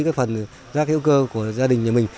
cái phần rác hữu cơ của gia đình nhà mình